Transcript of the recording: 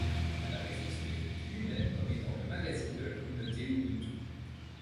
Le magazine se définit lui-même comme étant le magazine de la communauté Ubuntu.